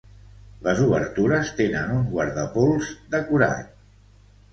Les obertures tenen un guardapols decorat.